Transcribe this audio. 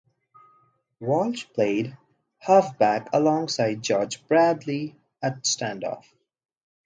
Walsh played halfback alongside George Bradley at standoff.